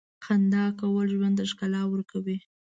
• خندا کول ژوند ته ښکلا ورکوي.